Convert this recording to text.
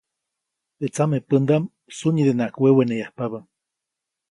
Teʼ samepändaʼm sunyidenaʼajk weweneyajpabä.